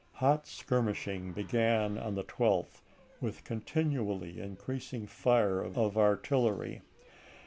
Hot skirmishing began on the 12th, with continually increasing fire of ar tillery.